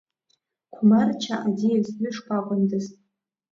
Қәмарча аӡиас ҩы-шкәакәандаз!